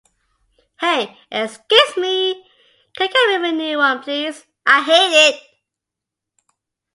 Hey, excuse me? Can you get me new one please? I hate it.